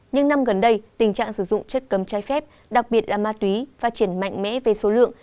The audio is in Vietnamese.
những năm gần đây tình trạng sử dụng chất cấm trái phép đặc biệt là ma túy phát triển mạnh mẽ về số lượng